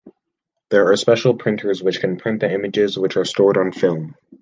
There are special printers which can print the images which are stored on film.